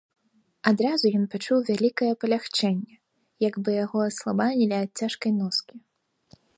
Адразу ён пачуў вялікае палягчэнне, як бы яго аслабанілі ад цяжкай носкі.